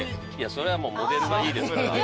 そりゃもうモデルがいいですから。